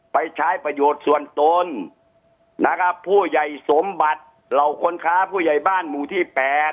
ไปใช้ประโยชน์ส่วนตนนะครับผู้ใหญ่สมบัติเหล่าคนค้าผู้ใหญ่บ้านหมู่ที่๘